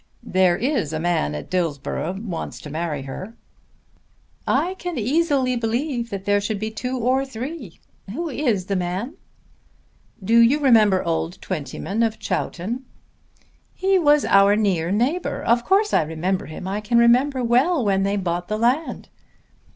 "There is a man at Dillsborough wants to marry her." "I can easily believe that there should be two or three. Who is the man?" "Do you remember old Twentyman of Chowton?" "He was our near neighbour. Of course I remember him. I can remember well when they bought the land."